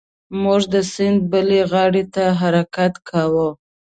موږ د سیند بلې غاړې ته حرکت کاوه.